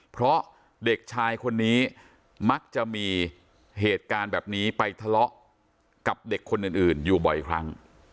เพราะเด็กชายคนนี้มักจะมีเหตุการณ์แบบนี้ไปทะเลาะกับเด็กคนอื่นอยู่บ่อยครั้ง